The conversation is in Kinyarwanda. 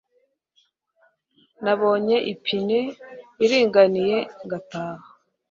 Nabonye ipine iringaniye ngataha